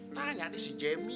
tanya deh si jemmy